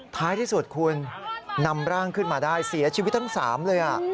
ท้ายที่สุดคุณนำร่างขึ้นมาได้เสียชีวิตทั้ง๓เลย